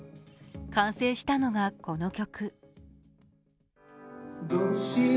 完成したのがこの曲。